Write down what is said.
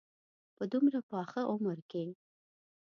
په دومره پاخه عمر کې.